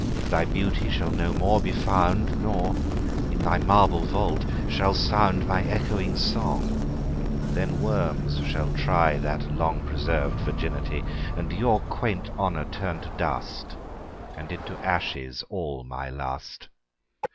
Thy Beauty shall no more be found; Nor, in thy marble Vault, shall soundMy ecchoing Song: then Worms shall tryThat long preserv'd Virginity:And your quaint Honour turn to dust; And into ashes all my Lust.